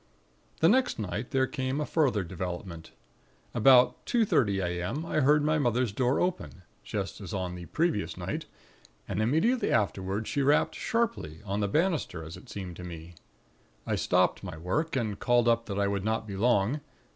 "The next night there came a further development. About two thirty a.m., I heard my mother's door open, just as on the previous night, and immediately afterward she rapped sharply, on the banister, as it seemed to me. I stopped my work and called up that I would not be long.